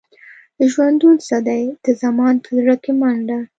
ژوندون څه دی؟ د زمان په زړه کې منډه.